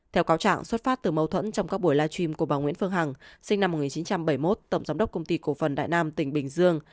theo cáo trạng xuất phát từ mâu thuẫn trong các buổi live stream của bà nguyễn phương hằng sinh năm một nghìn chín trăm bảy mươi một tổng giám đốc công ty cổ phần đại nam tỉnh bình dương